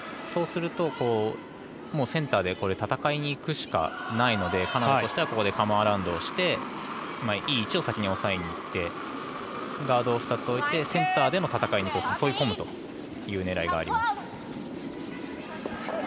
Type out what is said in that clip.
そうすると、センターで戦いにいくしかないのでカナダとしてはここでカムアラウンドをしていい位置を先に押さえにいってガードを２つ置いてセンターでの戦いに誘い込むという狙いがあります。